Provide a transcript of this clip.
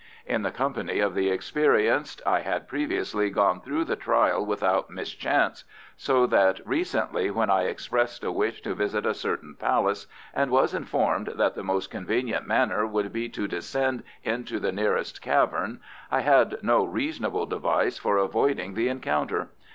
In the company of the experienced I had previously gone through the trial without mischance, so that recently when I expressed a wish to visit a certain Palace, and was informed that the most convenient manner would be to descend into the nearest cavern, I had no reasonable device for avoiding the encounter.